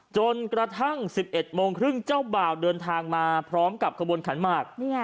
จนกระทั่ง๑๑โมงครึ่งเจ้าบ่าวเดินทางมาพร้อมกับขบวนขันหมาก